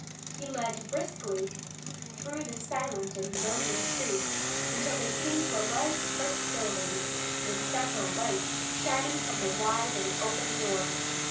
He led briskly through the silent and lonely streets, until they came to a large brick building with several lights shining from the wide and open door.